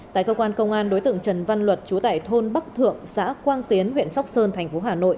tại cơ quan công an đối tượng trần văn luật chú tại thôn bắc thượng xã quang tiến huyện sóc sơn thành phố hà nội